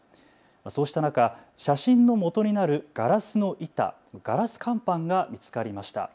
そうした中、写真のもとになるガラスの板、ガラス乾板が見つかりました。